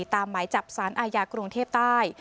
หมายจับสารอาญากรุงเทพใต้